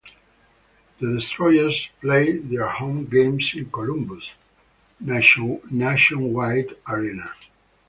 The Destroyers played their home games in Columbus' Nationwide Arena.